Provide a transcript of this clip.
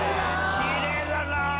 きれいだな。